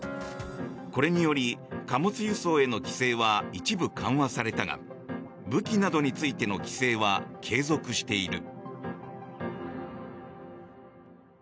これにより、貨物輸送への規制は一部緩和されたが武器などについての規制は継続している。